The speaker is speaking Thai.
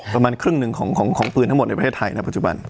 ประมาณครึ่งหนึ่งของปืนทั้งหมดในประเทศไทยณปัจจุบัน